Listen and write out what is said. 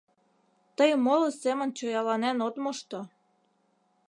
Тый моло семын чояланен от мошто.